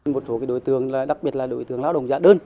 một số đối tượng đặc biệt là đối tượng lao động giả đơn